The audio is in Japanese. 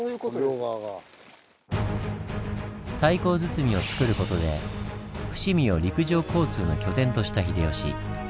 太閤堤をつくる事で伏見を陸上交通の拠点とした秀吉。